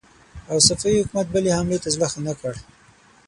او صفوي حکومت بلې حملې ته زړه ښه نه کړ.